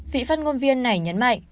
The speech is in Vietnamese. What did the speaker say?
vị phát ngôn viên này nhấn mạnh